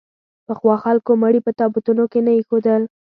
پخوا خلکو مړي په تابوتونو کې نه اېښودل.